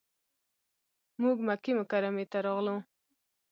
موږ مکې مکرمې ته راغلو.